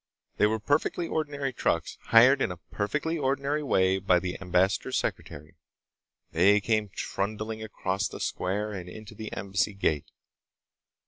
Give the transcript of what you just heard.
They were perfectly ordinary trucks, hired in a perfectly ordinary way by the ambassador's secretary. They came trundling across the square and into the Embassy gate.